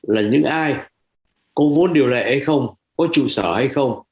là những ai có vốn điều lệ hay không có trụ sở hay không